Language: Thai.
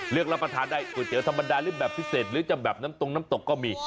รับประทานได้ก๋วยเตี๋ยวธรรมดาหรือแบบพิเศษหรือจะแบบน้ำตรงน้ำตกก็มี